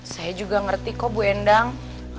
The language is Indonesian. saya juga ngerti kok bu endang